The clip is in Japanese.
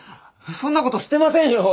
そんな事してませんよ。